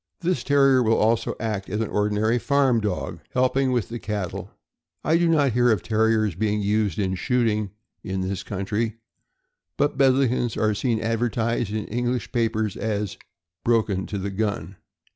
This Terrier will also act as an ordinary farm dog, helping with the cat tle. I do not hear of Terriers being used in shooting in this country, but Bedlingtons are seen advertised in English papers as " broken to the gun."